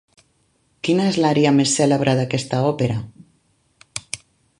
Quina és l'ària més celebre d'aquesta òpera?